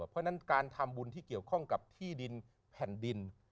เพราะฉะนั้นการทำบุญที่เกี่ยวข้องกับที่ดินแผ่นดิน